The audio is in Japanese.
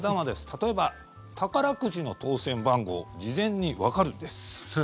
例えば、宝くじの当選番号事前にわかるんです